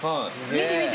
見て見て。